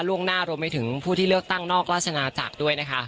ล่วงหน้ารวมไปถึงผู้ที่เลือกตั้งนอกราชนาจักรด้วยนะคะ